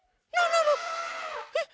えっ？